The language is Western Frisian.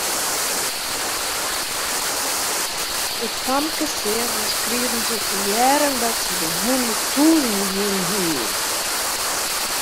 It famke seach as krige se te hearren dat se de hûnderttûzen wûn hie.